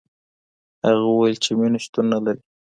هغه وویل چي مینه شتون نه لري.